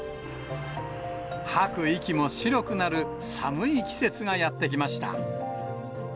吐く息も白くなる、寒い季節がやって来ました。